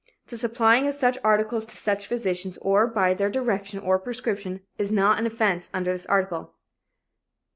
The supplying of such articles to such physicians or by their direction or prescription, is not an offense under this article.